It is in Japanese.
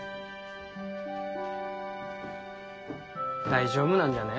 大丈夫なんじゃね？